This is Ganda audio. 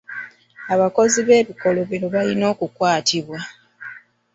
Abakozi b'ebikolobero balina okukwatibwa.